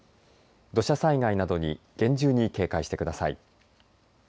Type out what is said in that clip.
土砂災害などに厳重に警戒してください。